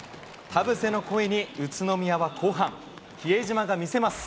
田臥の声に宇都宮は後半、比江島が見せます。